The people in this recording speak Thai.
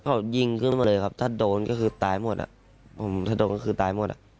เขายิงขึ้นมาเลยครับถ้าโดนก็คือตายหมดอ่ะผมถ้าโดนก็คือตายหมดอ่ะ